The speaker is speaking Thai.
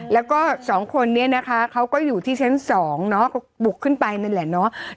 แล้วก็สองคนนี้นะคะเขาก็อยู่ที่ชั้น๒เนาะก็บุกขึ้นไปนั่นแหละเนาะ